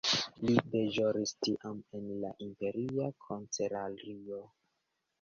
Li deĵoris tiam en la imperia kancelario.